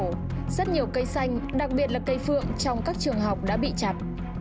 rất nhiều cây xanh đặc biệt là cây phượng trong các trường học đã bị chặt